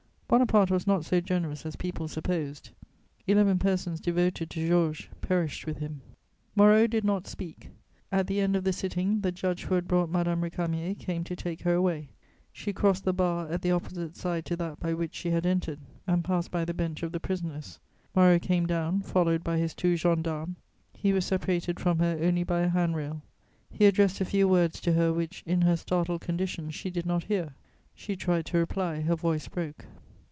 Bonaparte was not so generous as people supposed: eleven persons devoted to Georges perished with him. Moreau did not speak. At the end of the sitting, the judge who had brought Madame Récamier came to take her away. She crossed the bar at the opposite side to that by which she had entered, and passed by the bench of the prisoners. Moreau came down, followed by his two gendarmes; he was separated from her only by a hand rail. He addressed a few words to her, which, in her startled condition, she did not hear; she tried to reply, her voice broke.